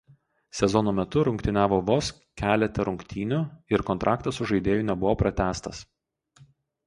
Sezono metu rungtyniavo vos kelete rungtynių ir kontraktas su žaidėju nebuvo pratęstas.